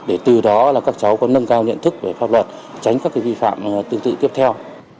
để từ đó các cháu có nâng cao nhận thức về pháp luật tránh các vi phạm tương tự tiếp theo